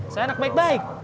saya anak baik baik